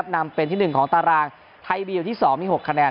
นำเป็นที่๑ของตารางไทยบีอยู่ที่๒มี๖คะแนน